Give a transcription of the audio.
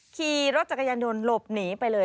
ขี่รถจักรยานยนต์หลบหนีไปเลย